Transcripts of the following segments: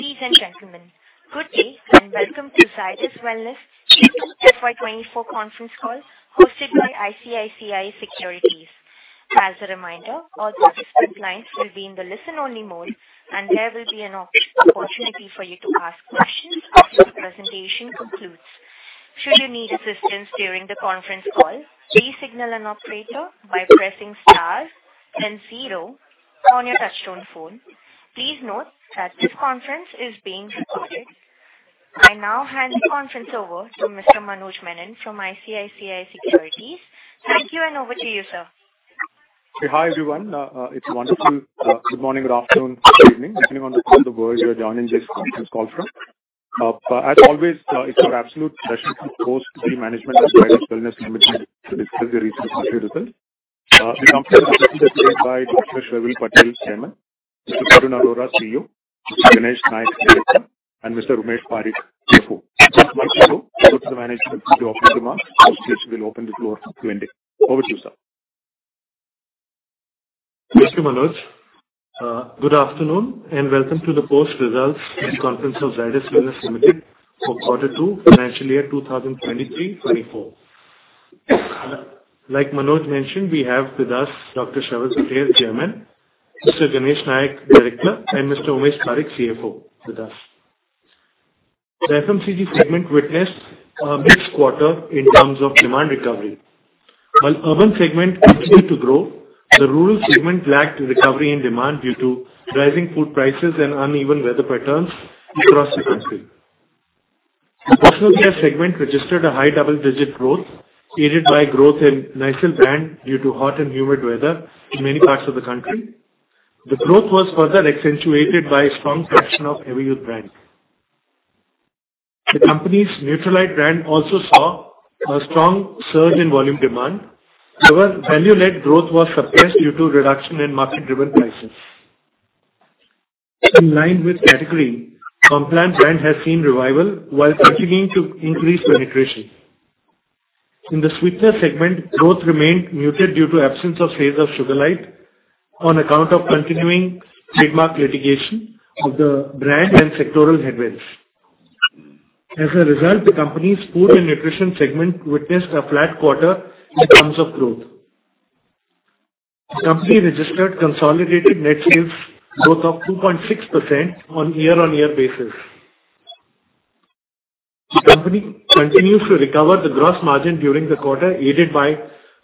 Ladies and gentlemen, good day, and welcome to Zydus Wellness FY 24 conference call, hosted by ICICI Securities. As a reminder, all participant lines will be in the listen-only mode, and there will be an opportunity for you to ask questions after the presentation concludes. Should you need assistance during the conference call, please signal an operator by pressing star then zero on your touchtone phone. Please note that this conference is being recorded. I now hand the conference over to Mr. Manoj Menon from ICICI Securities. Thank you, and over to you, sir. Hi, everyone. It's wonderful. Good morning, good afternoon, good evening, depending on the part of the world you are joining this conference call from. As always, it's our absolute pleasure to host the management of Zydus Wellness Limited to discuss the recent quarter results. The company is represented today by Dr. Sharvil Patel, Chairman; Mr. Tarun Arora, Chief Executive Officer; Mr. Ganesh Nayak, Director; and Mr. Umesh Parikh, Chief Financial Officer. Just one intro before the management proceed to opening remarks, host here will open the floor for Q&A. Over to you, sir. Thank you, Manoj. Good afternoon, and welcome to the post results conference of Zydus Wellness Limited for Quarter Two, Financial Year 2023-24. Like Manoj mentioned, we have with us Dr. Sharvil Patel, Chairman; Mr. Ganesh Nayak, Director; and Mr. Umesh Parikh, Chief Financial Officer, with us. The FMCG segment witnessed a mixed quarter in terms of demand recovery. While urban segment continued to grow, the rural segment lacked recovery and demand due to rising food prices and uneven weather patterns across the country. The personal care segment registered a high double-digit growth, aided by growth in Nycil brand due to hot and humid weather in many parts of the country. The growth was further accentuated by strong traction of Everyuth brand. The company's Nutralite brand also saw a strong surge in volume demand. However, value-led growth was suppressed due to reduction in market-driven prices. In line with category, Complan brand has seen revival while continuing to increase penetration. In the sweetener segment, growth remained muted due to absence of sales of Sugarlite on account of continuing trademark litigation of the brand and sectoral headwinds. As a result, the company's food and nutrition segment witnessed a flat quarter in terms of growth. The company registered consolidated net sales growth of 2.6% on year-on-year basis. The company continues to recover the gross margin during the quarter, aided by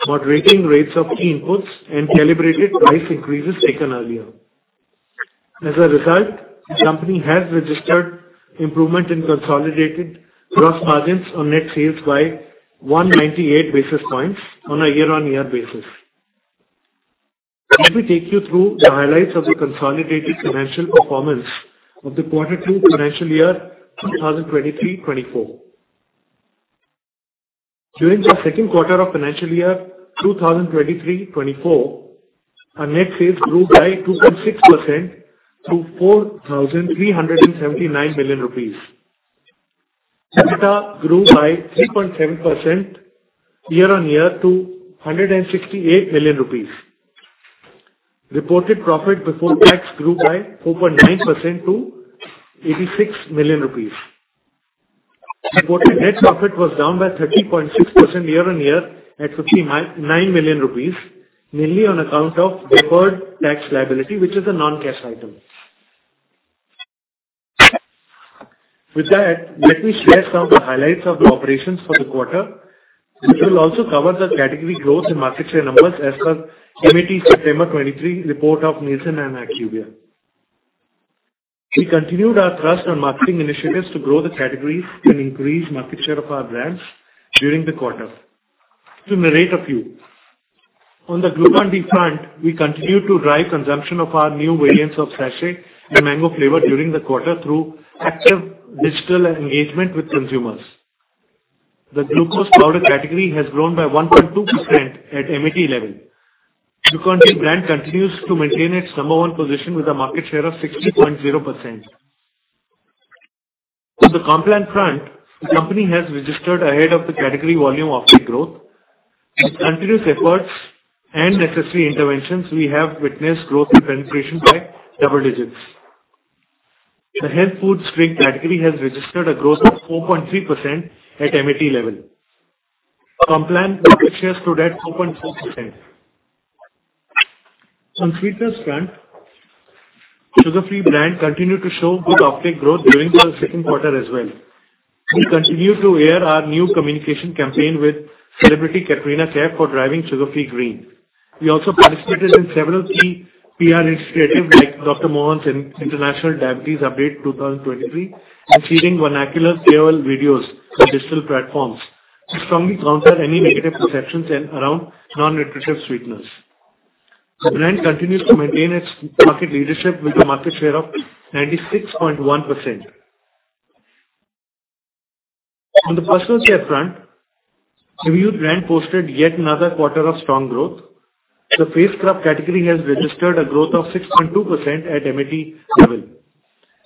moderating rates of key inputs and calibrated price increases taken earlier. As a result, the company has registered improvement in consolidated gross margins on net sales by 198 basis points on a year-on-year basis. Let me take you through the highlights of the consolidated financial performance of the quarter two Financial Year 2023 to 2024. During the second quarter of Financial Year 2023 to 2024, our net sales grew by 2.6% to 4,379 million rupees. EBITDA grew by 3.7% year-on-year to INR 168 million. Reported profit before tax grew by 4.9% to 86 million rupees. Reported net profit was down by 13.6% year-on-year at 59 million rupees, mainly on account of deferred tax liability, which is a non-cash item. With that, let me share some of the highlights of the operations for the quarter. We will also cover the category growth and market share numbers as per MAT September 2023 report of Nielsen and IQVIA. We continued our thrust on marketing initiatives to grow the categories and increase market share of our brands during the quarter. To narrate a few: On the Glucon-D front, we continue to drive consumption of our new variants of sachet and mango flavor during the quarter through active digital engagement with consumers. The glucose powder category has grown by 1.2% at MAT level. Glucon-D brand continues to maintain its number one position with a market share of 60.0%. On the Complan front, the company has registered ahead of the category volume off take growth. With continuous efforts and necessary interventions, we have witnessed growth in penetration by double digits. The health food drink category has registered a growth of 4.3% at MAT level. Complan market share stood at 4.4%. On sweeteners front, Sugar Free brand continued to show good off take growth during the second quarter as well. We continue to air our new communication campaign with celebrity Katrina Kaif for driving Sugar Free Green. We also participated in several key PR initiatives like Dr. Mohan's International Diabetes Update 2023, and creating vernacular PR videos for digital platforms to strongly counter any negative perceptions and around non-nutritive sweeteners. The brand continues to maintain its market leadership with a market share of 96.1%. On the personal care front, Everyuth brand posted yet another quarter of strong growth. The face scrub category has registered a growth of 6.2% at MAT level.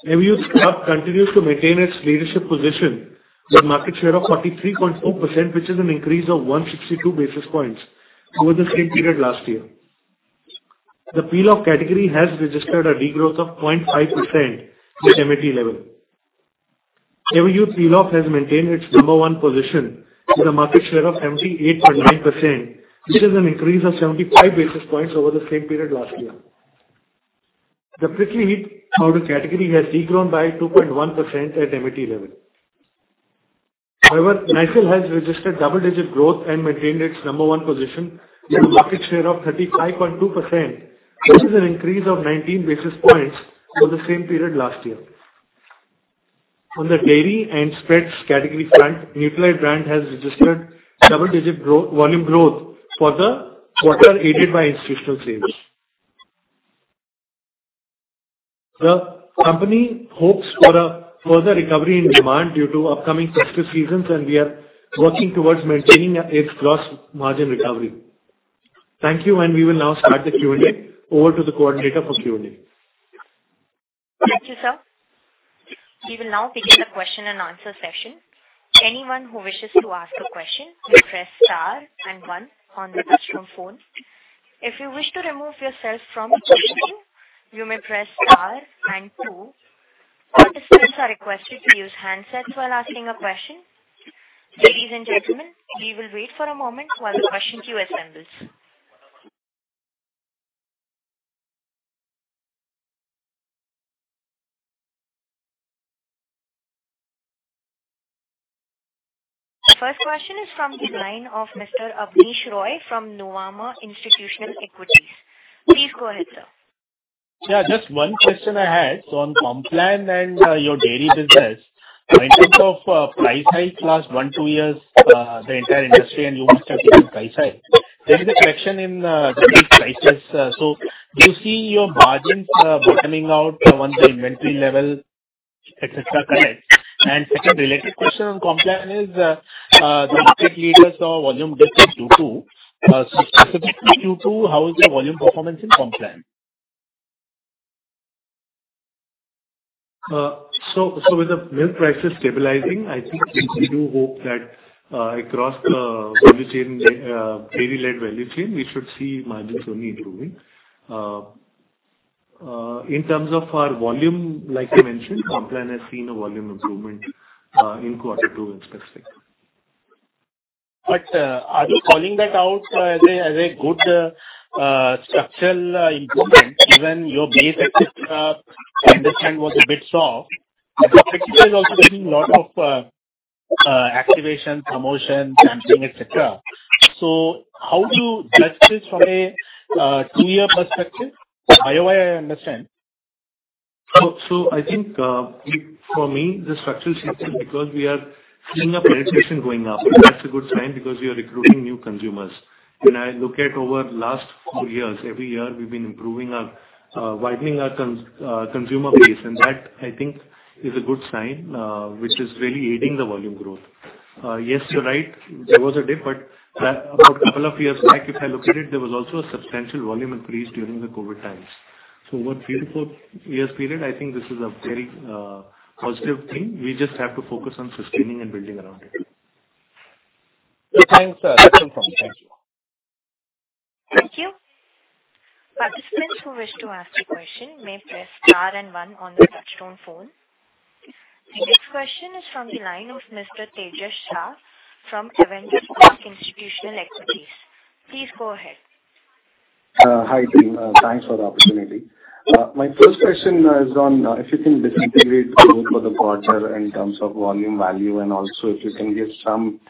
Everyuth scrub continues to maintain its leadership position with a market share of 43.4%, which is an increase of 162 basis points over the same period last year. The peel-off category has registered a degrowth of 0.5% at MAT level. Everyuth Peel-Off has maintained its number one position with a market share of 78.9%, which is an increase of 75 basis points over the same period last year. The prickly heat powder category has degrown by 2.1% at MAT level. However, Nycil has registered double-digit growth and maintained its number one position with a market share of 35.2%, which is an increase of 19 basis points over the same period last year. On the dairy and spreads category front, Nutralite brand has registered double-digit volume growth for the quarter, aided by institutional sales. The company hopes for a further recovery in demand due to upcoming festive seasons, and we are working towards maintaining a gross margin recovery. Thank you, and we will now start the Q&A. Over to the coordinator for Q&A. Thank you, sir. We will now begin the question and answer session. Anyone who wishes to ask a question, you press star and one on the touchtone phone. If you wish to remove yourself from questioning, you may press star and two. All participants are requested to use handsets while asking a question. Ladies and gentlemen, we will wait for a moment while the question queue assembles. The first question is from the line of Mr. Abneesh Roy from Nuvama Institutional Equities. Please go ahead, sir. Yeah, just one question I had. So on Complan and, your dairy business, in terms of, price hike last one, two years, the entire industry and you must have given price hike. There is a correction in, the milk prices, so do you see your margins, bottoming out once the inventory level, et cetera, correct? And second related question on Complan is, the market leaders saw volume dip in Q2. So specifically, Q2, how is your volume performance in Complan? So, so with the milk prices stabilizing, I think we do hope that, across the value chain, dairy-led value chain, we should see margins only improving. In terms of our volume, like I mentioned, Complan has seen a volume improvement, in quarter two in specific. But, are you calling that out as a good structural improvement, even your base, et cetera, I understand, was a bit soft? Is also getting a lot of activation, promotion, sampling, etc. So how do you judge this from a two-year perspective? YoY, I understand. So I think, for me, the structural shift is because we are seeing our penetration going up, and that's a good sign, because we are recruiting new consumers. When I look at over the last four years, every year we've been improving our, widening our consumer base, and that, I think, is a good sign, which is really aiding the volume growth. Yes, you're right, there was a dip, but for a couple of years back, if I look at it, there was also a substantial volume increase during the COVID times. So over three to four years period, I think this is a very positive thing. We just have to focus on sustaining and building around it. Thanks, sir. Thank you. Thank you. Participants who wish to ask a question may press star and one on their touchtone phone. The next question is from the line of Mr. Tejas Shah from Avendus Spark Institutional Equities. Please go ahead. Hi, team. Thanks for the opportunity. My first question is on if you can disintegrate growth for the quarter in terms of volume, value, and also if you can give some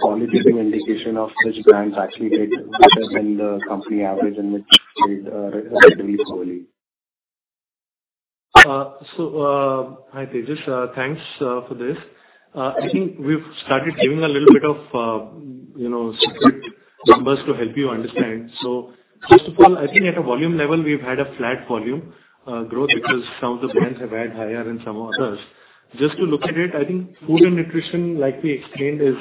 qualitative indication of which brands actually did better than the company average and which did relatively poorly. So, hi, Tejas. Thanks for this. I think we've started giving a little bit of, you know, separate numbers to help you understand. So first of all, I think at a volume level, we've had a flat volume growth, because some of the brands have had higher than some others. Just to look at it, I think food and nutrition, like we explained, is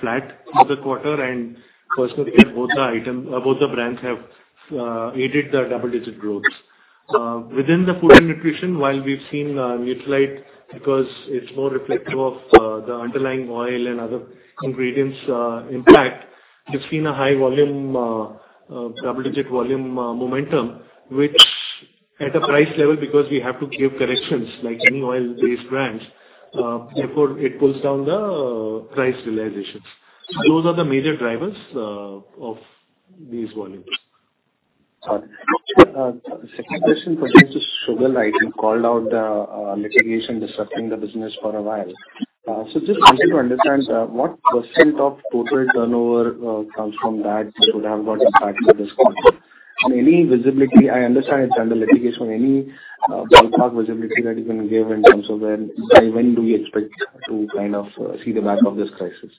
flat for the quarter, and personal care, both the brands have aided the double-digit growths. Within the food and nutrition, while we've seen Nutralite, because it's more reflective of the underlying oil and other ingredients impact, we've seen a high volume double-digit volume momentum, which at a price level, because we have to give corrections like any oil-based brands, therefore, it pulls down the price realizations. So those are the major drivers of these volumes. Got it. Second question pertains to Sugarlite. You called out, litigation disrupting the business for a while. So just wanting to understand, what % of total turnover comes from that would have got impacted this quarter? And any visibility... I understand it's under litigation, any, ballpark visibility that you can give in terms of when, by when do we expect to kind of see the back of this crisis?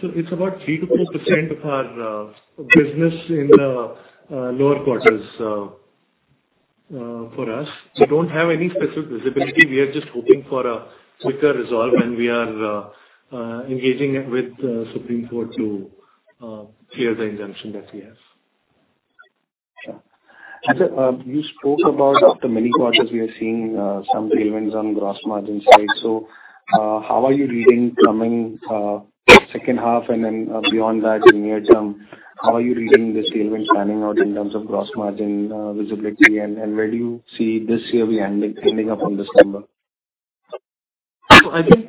So it's about 3% to 4% of our business in the lower quarters, for us. We don't have any specific visibility. We are just hoping for a quicker resolve, and we are engaging with the Supreme Court to clear the exemption that we have. Sure. And you spoke about after many quarters, we are seeing some tailwinds on gross margin side. So, how are you reading coming second half and then beyond that in near term, how are you reading this tailwind panning out in terms of gross margin visibility? And where do you see this year ending up on December? So I think,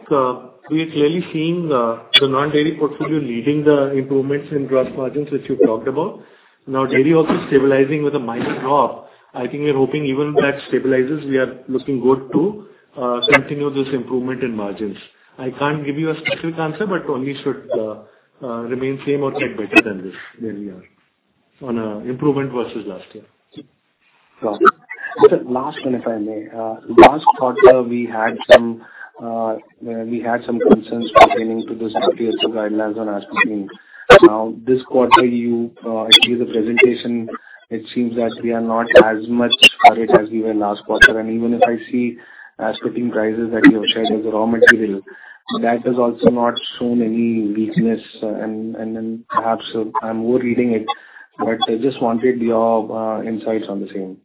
we've clearly seen, the non-dairy portfolio leading the improvements in gross margins, which you talked about. Now, dairy also stabilizing with a minor drop. I think we're hoping even that stabilizes, we are looking good to continue this improvement in margins. I can't give you a specific answer, but only should remain same or get better than this, where we are, on improvement versus last year. Got it. Just last one, if I may. Last quarter we had some, we had some concerns pertaining to the guidelines on aspartame. Now, this quarter, you, I see the presentation, it seems that we are not as much worried as we were last quarter. And even if I see aspartame prices that you have shared as a raw material, that has also not shown any weakness. And, and then perhaps I'm overreading it, but I just wanted your, insights on the same.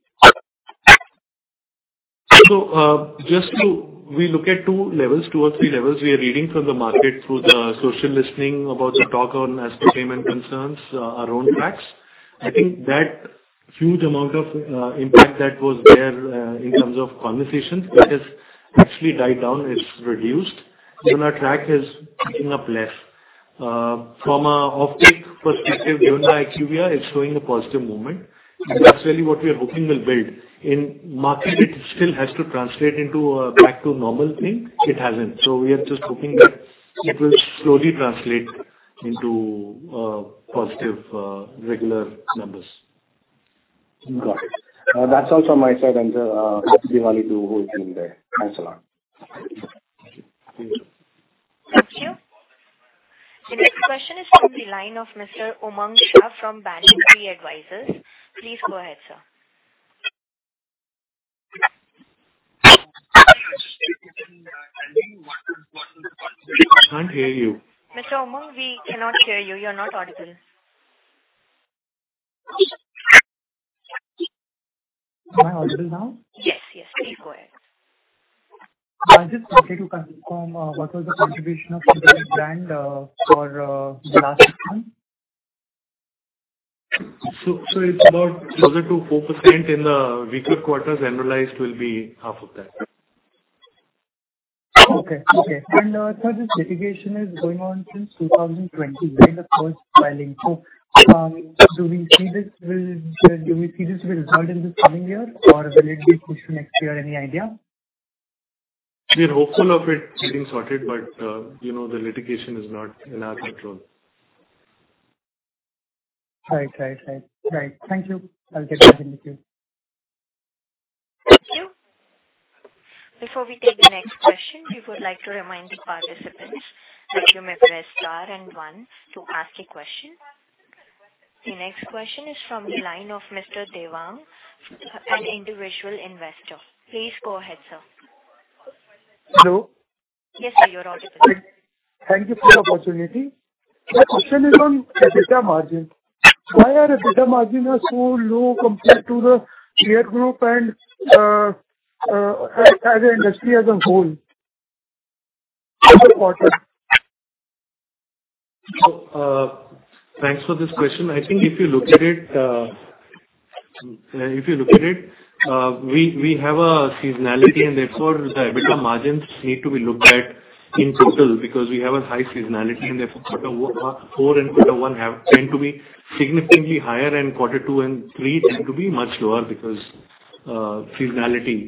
So, just to. We look at two levels, two or three levels. We are reading from the market through the social listening about the talk on aspartame and concerns around IARC. I think that huge amount of impact that was there in terms of conversations, that has actually died down. It's reduced. Even our track is picking up less. From an optics perspective, given the IQVIA, it's showing a positive movement. And that's really what we are hoping will build. In market, it still has to translate into a back to normal thing. It hasn't. So we are just hoping that it will slowly translate into positive regular numbers. Got it. That's all from my side, and happy Diwali to whole team there. Thanks a lot. Thank you. Thank you. The next question is from the line of Mr. Umang Shah from Banyan Tree Advisors. Please go ahead, sir. I can't hear you. Mr. Umang, we cannot hear you. You're not audible. Am I audible now? Yes, yes, please go ahead. I just wanted to confirm, what was the contribution of brand, for, the last quarter? So, it's about closer to 4% in the weaker quarters, annualized will be half of that. Okay. Okay. And, sir, this litigation is going on since 2020, right? The first filing. So, do we see this will result in this coming year, or will it be pushed next year? Any idea? We're hopeful of it getting sorted, but, you know, the litigation is not in our control. Right, right, right. Right. Thank you. I'll get back in the queue. Thank you. Before we take the next question, we would like to remind the participants that you may press star and one to ask a question. The next question is from the line of Mr. Dewang, an individual investor. Please go ahead, sir. Hello? Yes, sir, you're audible. Thank you for the opportunity. My question is on EBITDA margin. Why is EBITDA margin so low compared to the peer group and as an industry as a whole? Last quarter. So, thanks for this question. I think if you look at it, if you look at it, we have a seasonality, and therefore, the EBITDA margins need to be looked at in total, because we have a high seasonality, and therefore, quarter four and quarter one tend to be significantly higher, and quarter two and three tend to be much lower because seasonality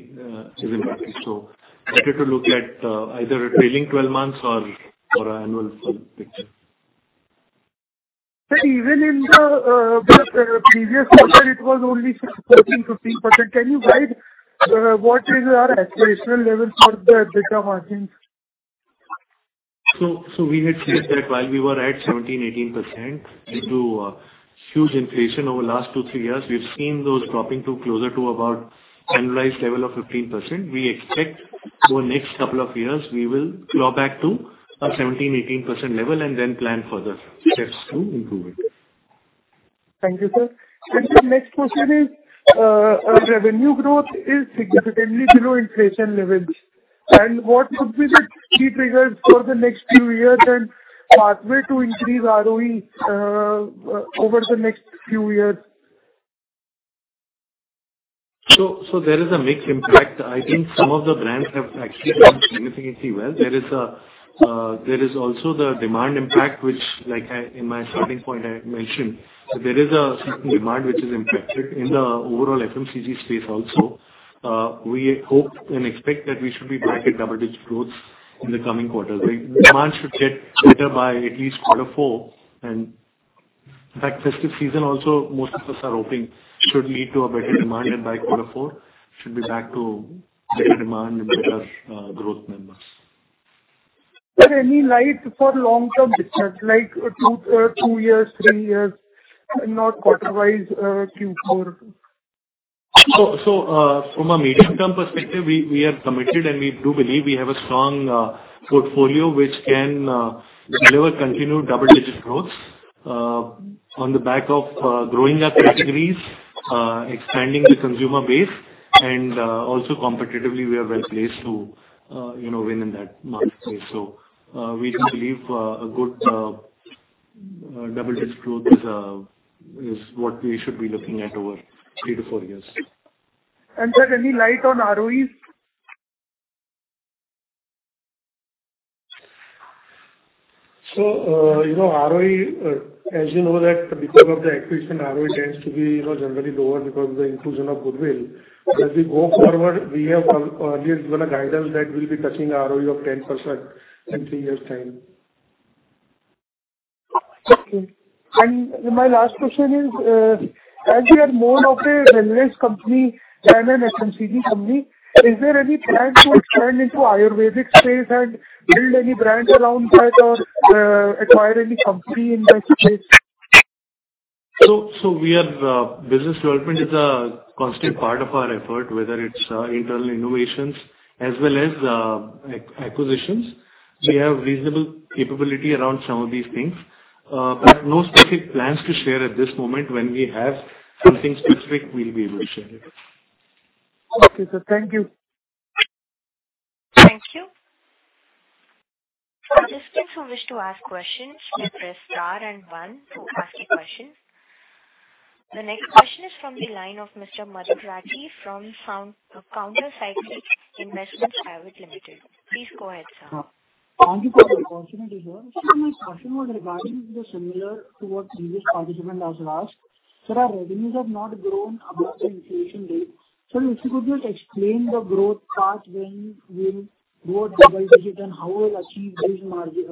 is impacted. So better to look at either a trailing 12 months or an annual picture. But even in the previous quarter, it was only 13% to 15%. Can you guide what is our aspirational level for the EBITDA margins? So we had said that while we were at 17% to 18% due to huge inflation over last two to three years, we've seen those dropping to closer to about annualized level of 15%. We expect over the next couple of years, we will claw back to a 17% to 18% level and then plan further steps to improve it. Thank you, sir. The next question is, revenue growth is significantly below inflation levels. What would be the key triggers for the next few years and pathway to increase ROE over the next few years? So there is a mix impact. I think some of the brands have actually done significantly well. There is also the demand impact, which, like in my starting point, I mentioned, that there is a certain demand which is impacted in the overall FMCG space also. We hope and expect that we should be back at double-digit growth in the coming quarters. The demand should get better by at least quarter four. In fact, festive season also, most of us are hoping, should lead to a better demand, and by quarter four should be back to better demand and better growth numbers. Sir, any light for long-term business, like, two, two years, three years, not quarter-wise, Q4? From a medium-term perspective, we are committed, and we do believe we have a strong portfolio which can deliver continued double-digit growth on the back of growing our categories, expanding the consumer base, and also competitively, we are well placed to you know win in that marketplace. We do believe a good double-digit growth is what we should be looking at over three to four years. Sir, any light on ROEs? So, you know, ROE, as you know, that because of the acquisition, ROE tends to be, you know, generally lower because of the inclusion of goodwill. As we go forward, we have, earlier given a guidance that we'll be touching ROE of 10% in three years' time. Okay. And my last question is, as we are more of a wellness company than an FMCG company, is there any plan to expand into Ayurvedic space and build any brand around that or, acquire any company in that space? So we are, business development is a constant part of our effort, whether it's internal innovations as well as acquisitions. So we have reasonable capability around some of these things. But no specific plans to share at this moment. When we have something specific, we'll be able to share it. Okay, sir. Thank you. Thank you. Participants who wish to ask questions should press star and one to ask a question. The next question is from the line of Mr. Madhur Rathi from Counter Cyclical Investments Private Limited. Please go ahead, sir. Thank you for the opportunity here. My question was regarding the similar to what previous participant has asked. Sir, our revenues have not grown above the inflation rate. Sir, if you could just explain the growth path, when we'll go at double digit, and how we'll achieve this margin,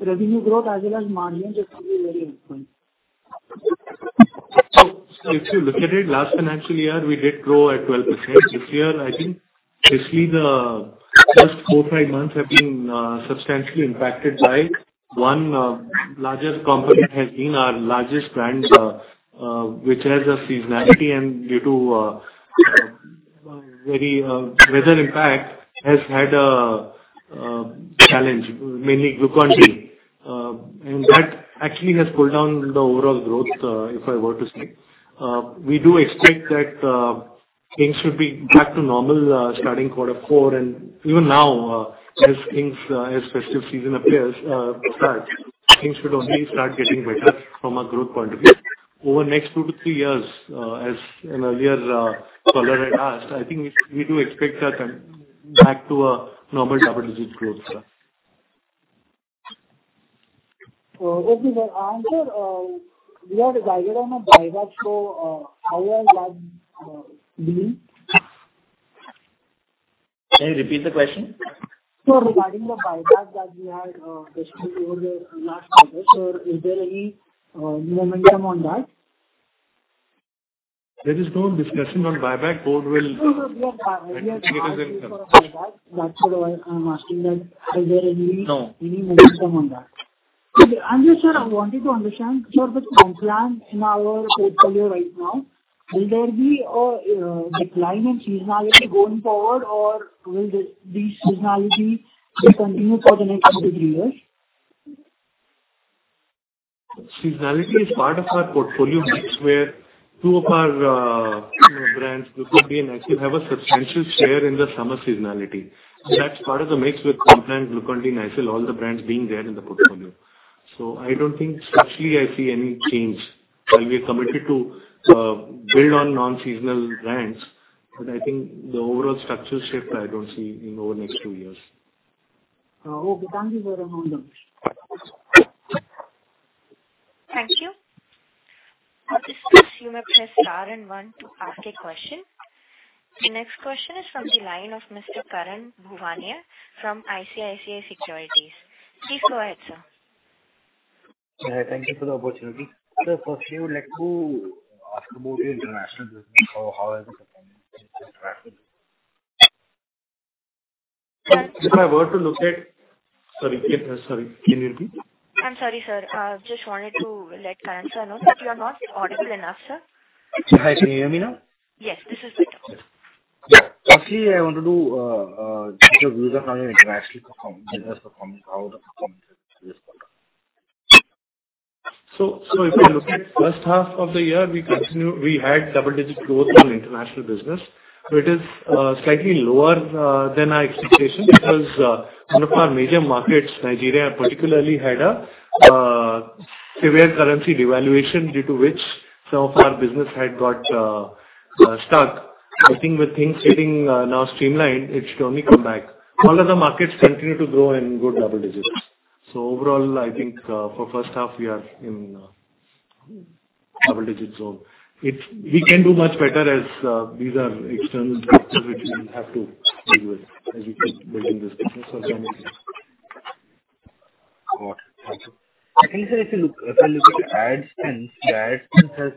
Revenue growth as well as margin, that will be very helpful. If you look at it, last financial year, we did grow at 12%. This year, I think basically the first four, five months have been substantially impacted by one largest component has been our largest brands, which has a seasonality and due to very weather impact, has had a challenge, mainly Glucon-D. And that actually has pulled down the overall growth, if I were to say. We do expect that things should be back to normal starting quarter four. And even now, as things, as festive season appears, things should only start getting better from a growth point of view. Over the next two to three years, as an earlier caller had asked, I think we do expect that back to a normal double-digit growth. Okay, sir. And sir, we have guided on a buyback, so, how has that been? Can you repeat the question? Regarding the buyback that we had discussed over the last quarter, sir, is there any momentum on that? There is no discussion on buyback. Board will- That's why I'm asking that, is there any- No. Any momentum on that? Sir, I wanted to understand for the Complan in our portfolio right now, will there be a decline in seasonality going forward, or will the seasonality will continue for the next two to three years? Seasonality is part of our portfolio mix, where two of our, you know, brands, Glucon-D and Nycil, have a substantial share in the summer seasonality. That's part of the mix with Complan, Glucon-D, Nycil, all the brands being there in the portfolio. So I don't think structurally I see any change. While we are committed to build on non-seasonal brands, but I think the overall structural shift, I don't see in over the next two years. Okay, thank you very much. Thank you. Participants, you may press star and one to ask a question. The next question is from the line of Mr. Karan Bhuwania from ICICI Securities. Please go ahead, sir. Thank you for the opportunity. Sir, firstly, I would like to ask about the international business. How has it been? If I were to look at... Sorry, sorry, can you repeat? I'm sorry, sir. Just wanted to let Karan sir know that you're not audible enough, sir. Hi, can you hear me now? Yes, this is better. Yeah. Firstly, I wanted to get your views on how your international performance has performed, how the performance is this quarter. So, if you look at first half of the year, we continue—we had double-digit growth on international business. So it is slightly lower than our expectation, because one of our major markets, Nigeria, particularly had a severe currency devaluation, due to which some of our business had got stuck. I think with things getting now streamlined, it should only come back. All other markets continue to grow in good double digits. So overall, I think for first half, we are in double digits. So it's—we can do much better as these are external factors which we have to deal with as we keep building this business for the next year. Got it. Thank you. I think, sir, if you look, if I look at ad spend, the ad spend has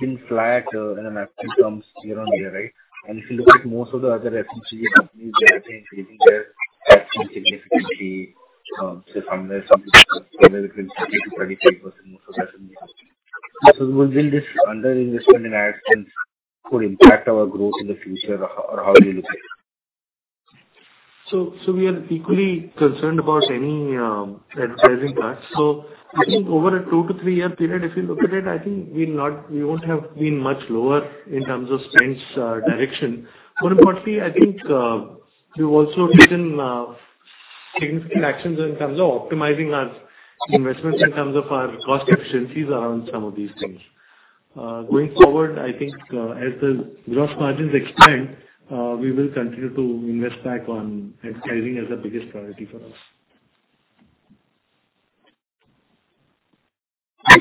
been flat and then actually comes here and there, right? And if you look at most of the other FMCG companies, they are increasing their ad spend significantly. Say somewhere, something between 20% to 25%. So will this underinvestment in ad spend could impact our growth in the future, or how do you look at it? We are equally concerned about any advertising costs. I think over a two-to-three-year period, if you look at it, I think we won't have been much lower in terms of spends direction. More importantly, I think we've also taken significant actions in terms of optimizing our investments, in terms of our cost efficiencies around some of these things. Going forward, I think as the gross margins expand, we will continue to invest back on advertising as the biggest priority for us.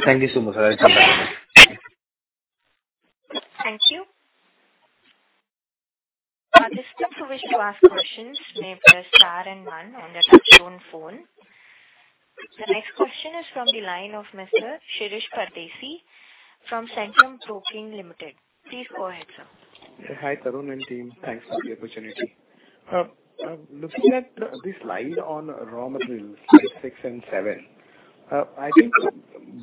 Thank you so much. I'll come back. Thank you. Participants who wish to ask questions may press star and one on their touchtone phone. The next question is from the line of Mr. Shirish Pardeshi from Centrum Broking Limited. Please go ahead, sir. Hi, Tarun and team. Thanks for the opportunity. Looking at the slide on raw materials, six and seven, I think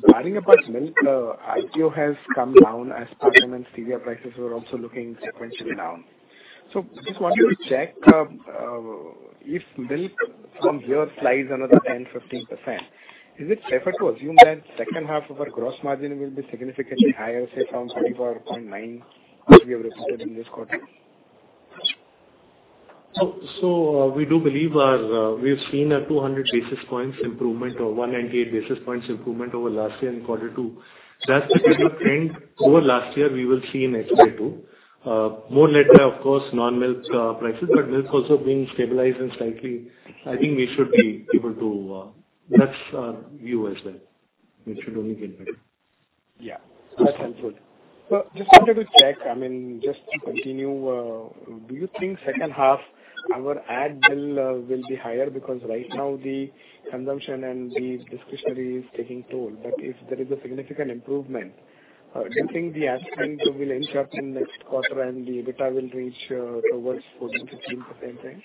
barring apart milk, RPO has come down as palm and stevia prices were also looking sequentially down. So just wanted to check, if milk from here flies another 10% to 15%, is it fair to assume that second half of our gross margin will be significantly higher, say, from 5.9, as we have reported in this quarter? So, we do believe our... We have seen a 200 basis points improvement or 198 basis points improvement over last year in quarter two. That's the kind of trend over last year we will see in H2, too. More led by, of course, non-milk prices, but milk also being stabilized and slightly, I think we should be able to, that's our view as well. It should only get better. Yeah, that's helpful. So just wanted to check, I mean, just to continue, do you think second half our ad bill will be higher? Because right now, the consumption and the discretionary is taking toll. But if there is a significant improvement, do you think the ad spend will inch up in next quarter and the EBITDA will reach towards 14% to 15% range?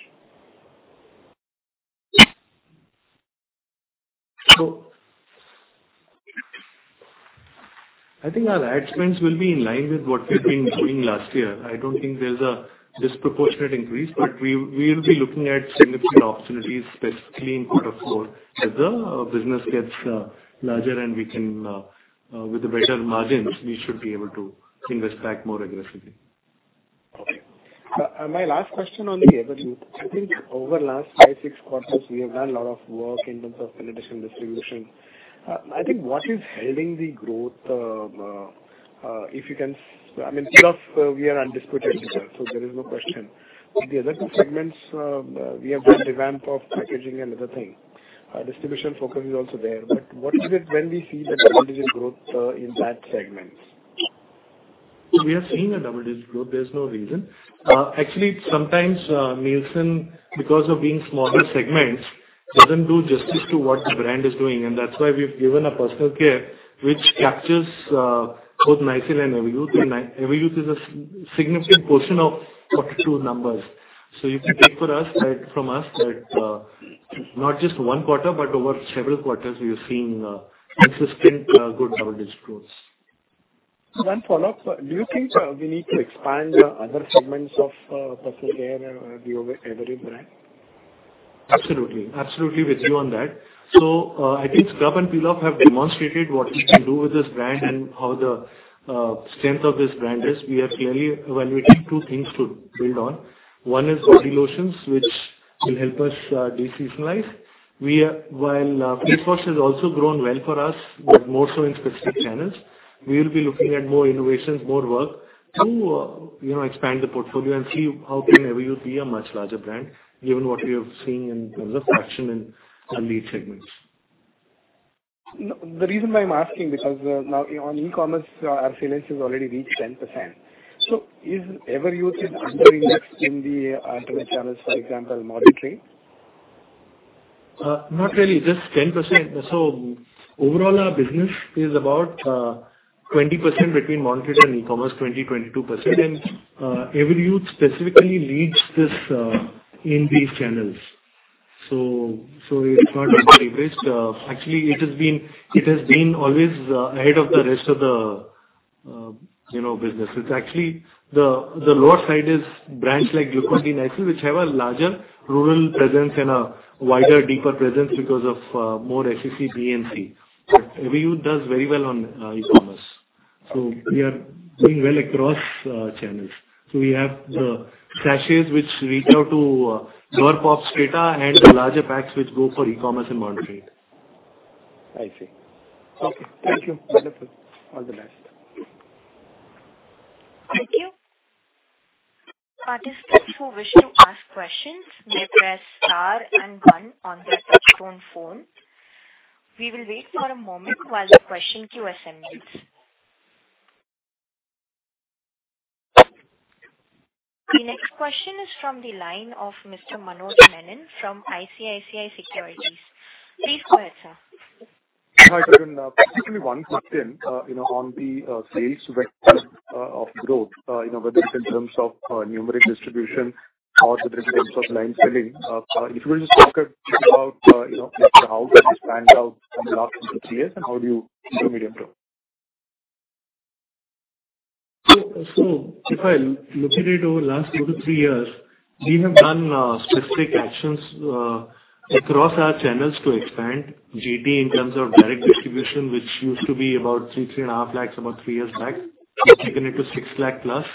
So I think our ad spends will be in line with what we've been doing last year. I don't think there's a disproportionate increase, but we will be looking at significant opportunities, specifically in quarter four, as the business gets larger and we can with the better margins, we should be able to invest back more aggressively. Okay. My last question on the Everyuth. I think over the last five, six quarters, we have done a lot of work in terms of penetration, distribution. I think what is holding the growth? If you can... I mean, peel-off, we are undisputed leader, so there is no question. In the other two segments, we have done revamp of packaging and other thing. Distribution focus is also there, but what is it when we see the double-digit growth in that segment? We are seeing a double-digit growth. There's no reason. Actually, sometimes, Nielsen, because of being smaller segments, doesn't do justice to what the brand is doing, and that's why we've given a personal care, which captures both Nycil and Everyuth. And Everyuth is a significant portion of quarter two numbers. So you can take for us that, from us, that, not just one quarter, but over several quarters, we have seen consistent good double-digit growth. One follow-up. Do you think we need to expand the other segments of personal care and the Everyuth brand? Absolutely. Absolutely with you on that. So, I think scrub and peel-off have demonstrated what we can do with this brand and how the strength of this brand is. We have clearly evaluated two things to build on. One is body lotions, which will help us de-seasonalize. While face wash has also grown well for us, but more so in specific channels. We will be looking at more innovations, more work to you know expand the portfolio and see how Everyuth can be a much larger brand, given what we have seen in terms of traction in the lead segments. The reason why I'm asking, because, now on e-commerce, our sales has already reached 10%. So is Everyuth is under indexed in the alternate channels, for example, modern trade? Not really, just 10%. So overall, our business is about 20% between modern trade and e-commerce, 20% to 22%. Everyuth specifically leads this in these channels. So it's not underleveraged. Actually, it has been always ahead of the rest of the you know business. It's actually the lower side is brands like Glucon-D and Nycil, which have a larger rural presence and a wider, deeper presence because of more FMCG. But Everyuth does very well on e-commerce. So we are doing well across channels. So we have the sachets which reach out to door-to-door POS data and the larger packs which go for e-commerce and modern trade. I see. Okay, thank you. Wonderful. All the best. Thank you. Participants who wish to ask questions may press Star and One on their touchtone phone. We will wait for a moment while the question queue assembles. The next question is from the line of Mr. Manoj Menon from ICICI Securities. Please go ahead, sir. Hi, Tarun. Specifically one question, you know, on the sales vector of growth, you know, whether it's in terms of numeric distribution or whether in terms of line selling. If you will, just talk about, you know, like, how it has panned out in the last two to three years, and how do you see the medium term? So if I look at it over the last two to three years, we have done specific actions across our channels to expand GT in terms of direct distribution, which used to be about 3 to 3.5 lakhs about three years back. We've taken it to 6 lakh plus.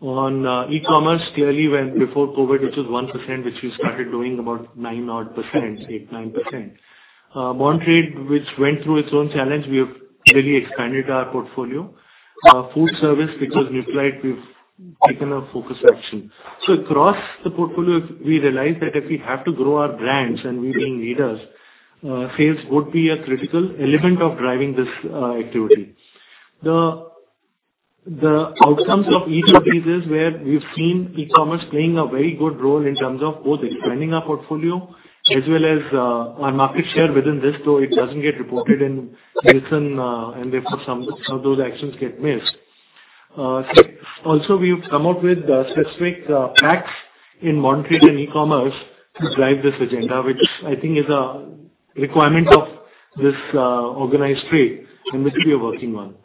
On e-commerce, clearly when before COVID, which was 1%, which we started doing about 9-odd%, 8% to 9%. Modern trade, which went through its own challenge, we have really expanded our portfolio. Food service, which was rich like we've taken a focus action. So across the portfolio, we realized that if we have to grow our brands and we being leaders, sales would be a critical element of driving this activity. The outcomes of each of these is where we've seen e-commerce playing a very good role in terms of both expanding our portfolio as well as our market share within this, so it doesn't get reported in Nielsen, and therefore, some of those actions get missed. Also, we've come up with specific packs in modern trade and e-commerce to drive this agenda, which I think is a requirement of this organized trade, and which we are working on.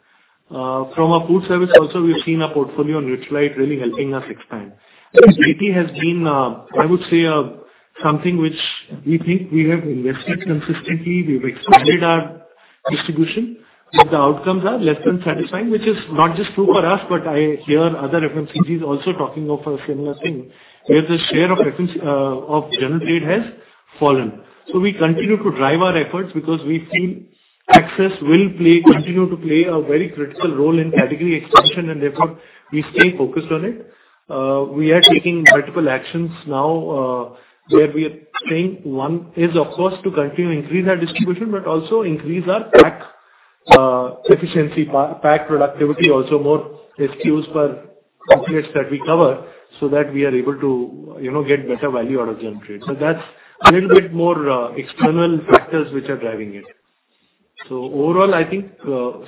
From a food service also, we've seen our portfolio on Nutralite really helping us expand. GT has been, I would say, something which we think we have invested consistently. We've expanded our distribution, but the outcomes are less than satisfying, which is not just true for us, but I hear other FMCGs also talking of a similar thing, where the share of reference, of general trade has fallen. So we continue to drive our efforts because we feel access will play, continue to play a very critical role in category expansion, and therefore we stay focused on it. We are taking multiple actions now, where we are saying one is, of course, to continue increase our distribution, but also increase our pack efficiency, pack productivity, also more SKUs per outlets that we cover, so that we are able to, you know, get better value out of general trade. So that's a little bit more, external factors which are driving it. So overall, I think,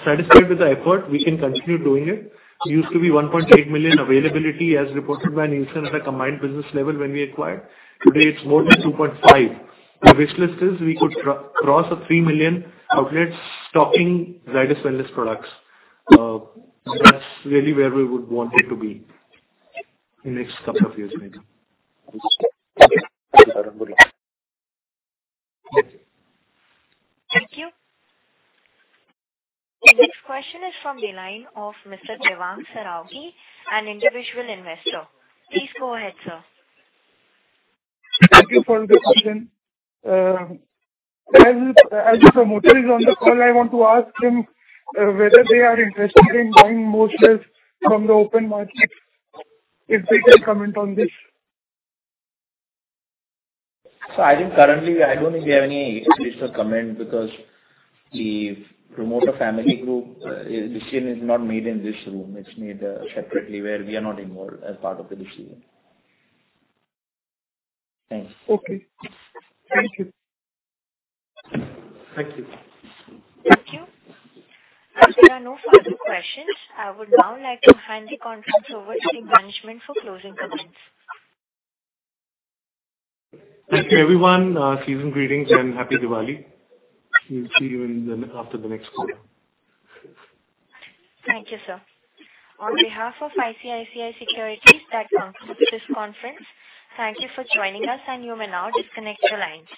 satisfied with the effort, we can continue doing it. It used to be 1.8 million availability, as reported by Nielsen, at a combined business level when we acquired. Today, it's more than 2.5. Our wish list is we could cross 3 million outlets stocking Zydus Wellness products. That's really where we would want it to be in the next couple of years maybe. Thank you. Thank you. The next question is from the line of Mr. Ujjwal Saraogi, an individual investor. Please go ahead, sir. Thank you for the question. As the promoter is on the call, I want to ask him whether they are interested in buying more shares from the open market, if they can comment on this? I think currently, I don't think they have any official comment because the promoter family group decision is not made in this room. It's made separately, where we are not involved as part of the decision. Thanks. Okay. Thank you. Thank you. Thank you. As there are no further questions, I would now like to hand the conference over to management for closing comments. Thank you, everyone. Season's greetings and happy Diwali. We'll see you after the next quarter. Thank you, sir. On behalf of ICICI Securities, that concludes the conference. Thank you for joining us, and you may now disconnect your lines.